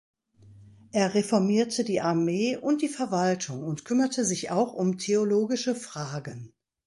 Er reformierte die Armee und die Verwaltung und kümmerte sich auch um theologische Fragen.